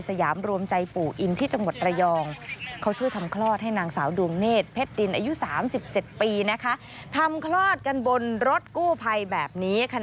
สยามรวมใจปู่อินที่จังหวัดระยอง